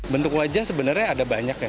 bentuk wajah sebenarnya ada banyak ya